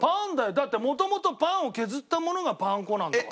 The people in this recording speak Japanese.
だって元々パンを削ったものがパン粉なんだから。